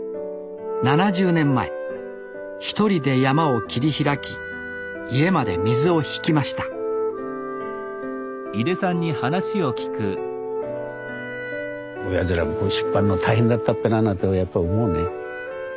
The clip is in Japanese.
７０年前１人で山を切り開き家まで水を引きました親父らもここ引っ張んの大変だったっぺななんてやっぱ思うね。